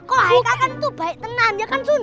kok haikal kan itu baik tenang ya kan sun